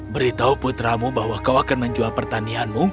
beritahu putramu bahwa kau akan menjual pertanianmu